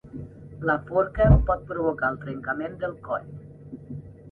La forca pot provocar el trencament del coll.